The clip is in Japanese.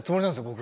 僕。